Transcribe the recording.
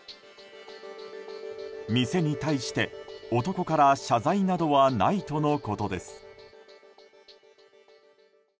店に対して男から謝罪などはないとのことです。